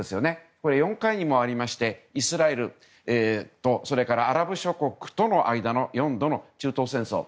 こちらは４回ありましてイスラエルとアラブ諸国との間の４度の中東戦争。